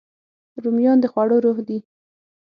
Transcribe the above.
رومیان د خوړو روح دي